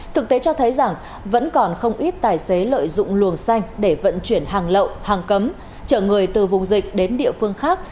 thực tế cho thấy rằng vẫn còn không ít tài xế lợi dụng luồng xanh để vận chuyển hàng lậu hàng cấm chở người từ vùng dịch đến địa phương khác